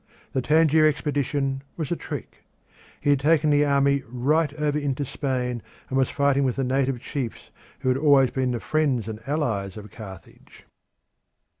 The Tangier expedition was a trick. He had taken the army right over into Spain, and was fighting with the native chiefs who had always been the friends and allies of Carthage.